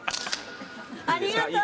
ありがとう。